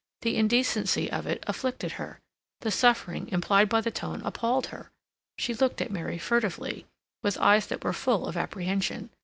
The indecency of it afflicted her. The suffering implied by the tone appalled her. She looked at Mary furtively, with eyes that were full of apprehension.